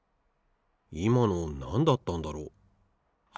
いまのなんだったんだろう？